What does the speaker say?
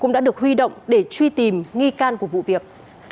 cũng đã được huy động để truy tìm nghi can của vụ việc